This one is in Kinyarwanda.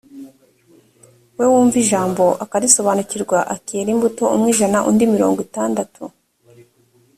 we wumva ijambo akarisobanukirwa akera imbuto umwe ijana undi mirongo itandatu